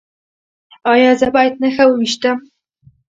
ایا زه باید نښه وویشتم؟